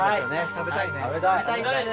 食べたい。